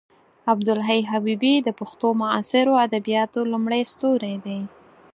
عبدالحی حبیبي د پښتو معاصرو ادبیاتو لومړی ستوری دی.